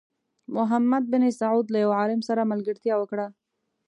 محمد بن سعود له یو عالم سره ملګرتیا وکړه.